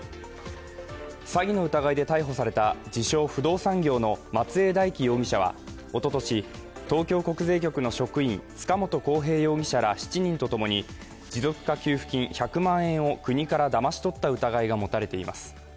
詐欺の疑いで逮捕された自称不動産業の松江大樹容疑者はおととし、東京国税局の職員塚本晃平容疑者ら７人とともに持続化給付金１００万円を国からだまし取った疑いが持たれています。